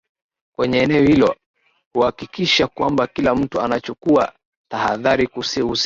kwenye eneo hilo huakikisha kwamba kila mtu anachukua tahadhari husika